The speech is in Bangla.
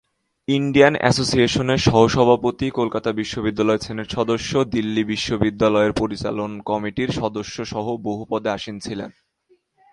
ইন্ডিয়ান অ্যাসোসিয়েশনের সহ-সভাপতি, কলকাতা বিশ্ববিদ্যালয়ের সেনেট সদস্য, দিল্লি বিশ্ববিদ্যালয়ের পরিচালন কমিটির সদস্য-সহ বহু পদে আসীন ছিলেন।